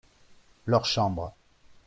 leurs chambres.